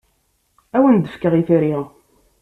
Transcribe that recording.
Ad awen-d-fkeɣ itri.